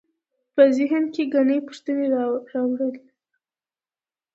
په ذهن کې ګڼې پوښتنې راولاړوي.